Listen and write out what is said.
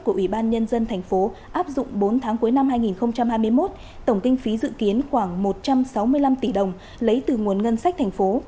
của ủy ban nhân dân tp áp dụng bốn tháng cuối năm hai nghìn hai mươi một tổng kinh phí dự kiến khoảng một trăm sáu mươi năm tỷ đồng lấy từ nguồn ngân sách tp